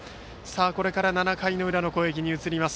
これから７回の裏の攻撃に移ります。